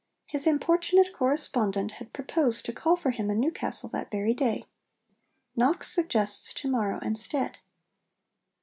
His importunate correspondent had proposed to call for him in Newcastle that very day. Knox suggests to morrow instead.